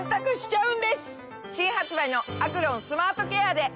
新発売のアクロンスマートケアで！